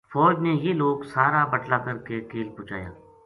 فوج نے یہ لوک سارا بٹلا کر کے کیل پوہچایا